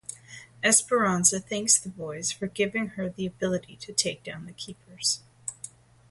Esperanza thanks the boys for giving her the ability to take down the Keepers.